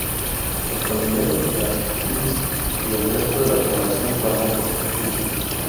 Los familiares de las víctimas y el resto de la población clamó por justicia.